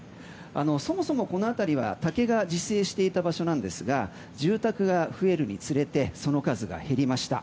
そもそもこの辺りは竹が自生していた場所なんですが住宅が増えるにつれてその数が減りました。